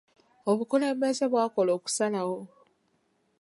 Obukulembeze bwakola okusalawo.